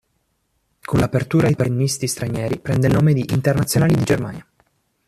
Con l'apertura ai tennisti stranieri prende il nome di "Internazionali di Germania".